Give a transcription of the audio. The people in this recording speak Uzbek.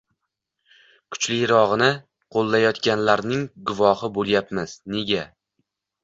kuchlirog‘ini qo‘llayotganlarining guvohi bo‘lyapmiz. Nega?